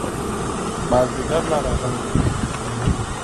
مازدیګر لا راغلی و.